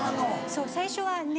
そう最初はね